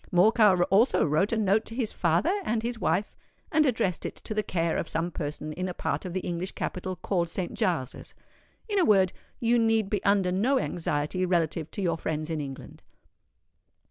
Morcar also wrote a note to his father and his wife, and addressed it to the care of some person in a part of the English capital called Saint Giles's. In a word, you need be under no anxiety relative to your friends in England."